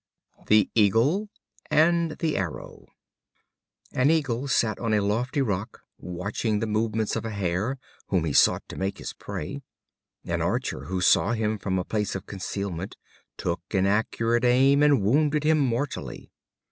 The Eagle and the Arrow. An Eagle sat on a lofty rock, watching the movements of a Hare, whom he sought to make his prey. An archer, who saw him from a place of concealment, took an accurate aim, and wounded him mortally.